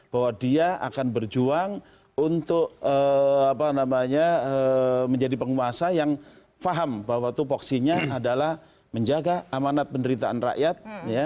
bahwa dia akan berjuang untuk menjadi penguasa yang paham bahwa tupoksinya adalah menjaga amanat penderitaan rakyat